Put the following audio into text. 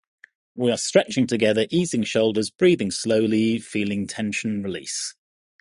We are stretching together, easing shoulders, breathing slowly, feeling tension release.